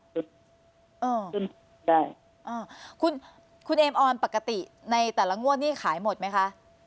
ต้นหัวไม่ได้อ่าคุณคุณเอ็มออนปกติในแต่ละงวดนี้ขายหมดไหมคะ